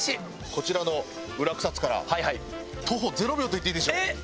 こちらの裏草津から徒歩０秒と言っていいでしょう。